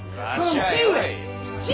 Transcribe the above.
父上！